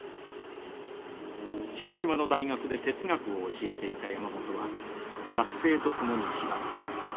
広島の大学で哲学を教えていた山本は学生と共に被爆。